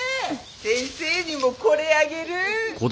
先生にもこれあげる。